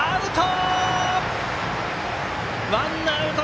アウト！